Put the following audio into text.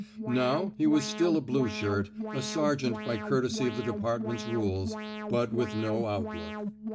Now, he was still a blue shirt, a sergeant by courtesy of the department's rules, but with no outlook.